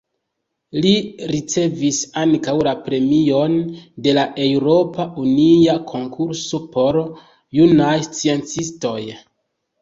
Li ricevis ankaŭ la Premion de la Eŭropa Unia Konkurso por Junaj Sciencistoj.